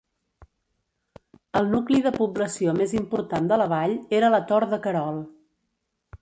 El nucli de població més important de la vall era la Tor de Querol.